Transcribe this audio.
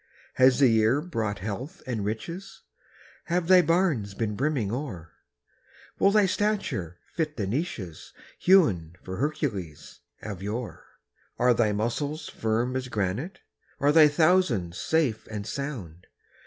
Has the year brought health and riches? Have thy barns been brimming o'er? Will thy stature fit the niches Hewn for Hercules of yore? Are thy muscles firm as granite? Are thy thousands safe and sound?